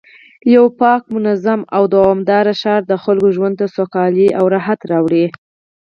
یو پاک، منظم او دوامدار ښار د خلکو ژوند ته سوکالي او راحت راوړي